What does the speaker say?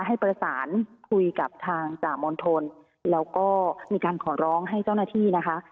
ให้ประสานคุยกับทางจ่ามณฑลแล้วก็มีการขอร้องให้เจ้าหน้าที่นะคะ